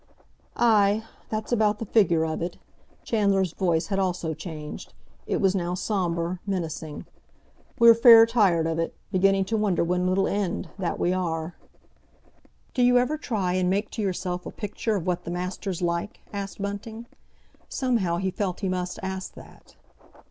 _" "Aye—that's about the figure of it." Chandler's voice had also changed; it was now sombre, menacing. "We're fair tired of it—beginning to wonder when it'll end, that we are!" "Do you ever try and make to yourself a picture of what the master's like?" asked Bunting. Somehow, he felt he must ask that.